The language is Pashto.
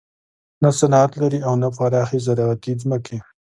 نه صنعت لري او نه پراخې زراعتي ځمکې.